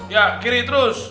ya kiri terus